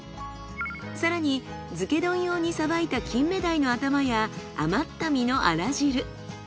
更に漬け丼用にさばいた金目鯛の頭や余った身のあら汁。